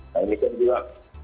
nah ini kan juga